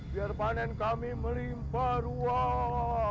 biar panen kami melimpa ruang